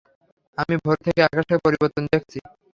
আমি ভোর থেকে আকাশের পরিবর্তন দেখছি।